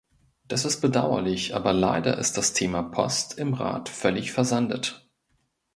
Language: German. Das ist bedauerlich, aber leider ist das Thema Post im Rat völlig versandet.